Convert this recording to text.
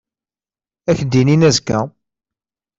Ad ak-d-inin azekka.